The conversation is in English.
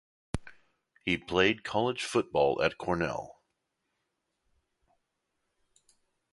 He played college football at Cornell.